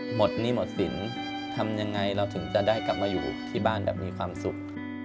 หนี้หมดสินทำยังไงเราถึงจะได้กลับมาอยู่ที่บ้านแบบมีความสุข